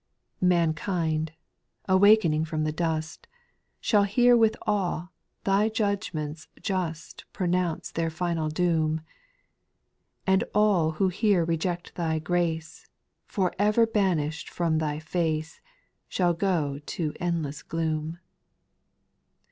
3. Mankind, awaking from the dust. Shall hear with awe Thy judgments just Pronounce their final doom ; And all who here reject Thy grace, For ever banished from Thy face. Shall go to endless gloom.